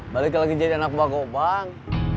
balik lagi jadi anak bako bang